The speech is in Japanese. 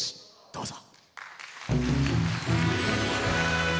どうぞ。